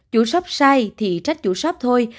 chủ shop sai thì trách chủ shop thôi